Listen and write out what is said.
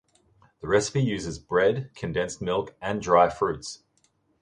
The recipe uses bread, condensed milk, and dry fruits.